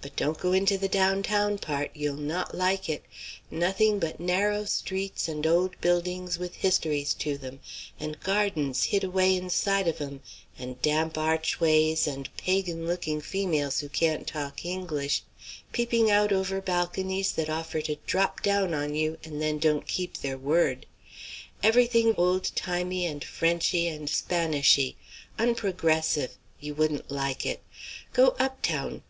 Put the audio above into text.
But don't go into the down town part; you'll not like it; nothing but narrow streets and old buildings with histories to 'em, and gardens hid away inside of 'em, and damp archways, and pagan looking females who can't talk English, peeping out over balconies that offer to drop down on you, and then don't keep their word; every thing old timey, and Frenchy, and Spanishy; unprogressive you wouldn't like it. Go up town.